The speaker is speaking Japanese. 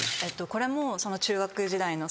これも中学時代の。